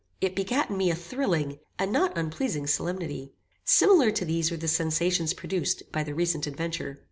It begat in me a thrilling, and not unpleasing solemnity. Similar to these were the sensations produced by the recent adventure.